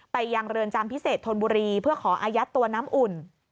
ไปยังเรือนจำพิเศษธนบุรีเพื่อขออายัดตัวน้ำอุ่น